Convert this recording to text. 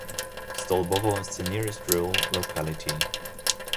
Stolbovo is the nearest rural locality.